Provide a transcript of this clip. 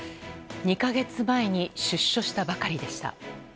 ２か月前に出所したばかりでした。